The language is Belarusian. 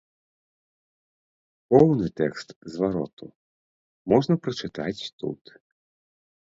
Поўны тэкст звароту можна прачытаць тут.